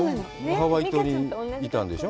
ハワイ島にいたんでしょう？